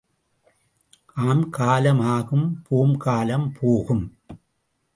ஆம் காலம் ஆகும் போம் காலம் போகும்.